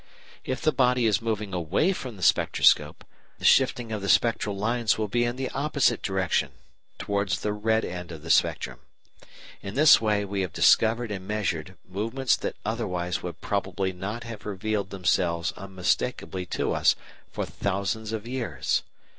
If the body is moving away from the spectroscope the shifting of the spectral lines will be in the opposite direction, towards the red end of the spectrum. In this way we have discovered and measured movements that otherwise would probably not have revealed themselves unmistakably to us for thousands of years.